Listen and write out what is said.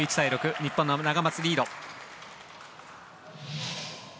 日本のナガマツ、リード。